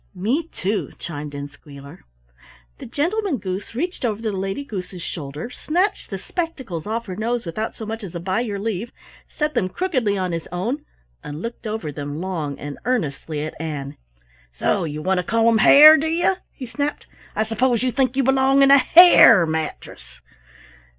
"Me, too," chimed in Squealer. The Gentleman Goose reached over the Lady Goose's shoulder, snatched the spectacles off her nose without so much as by your leave, set them crookedly on his own, and looked over them long and earnestly at Ann. "So you want to call 'em hair, do you?" he snapped. "I suppose you think you belong in a hair mattress!"